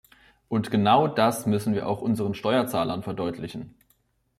Und genau das müssen wir auch unseren Steuerzahlern verdeutlichen.